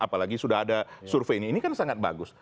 apalagi sudah ada survei ini kan sangat bagus